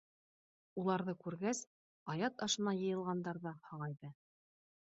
Уларҙы күргәс, аят ашына йыйылғандар ҙа һағайҙы.